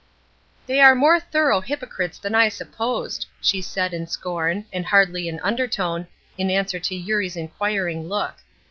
"They are more thorough hypocrites than I supposed," she said, in scorn, and hardly in undertone, in answer to Eurie's inquiring look.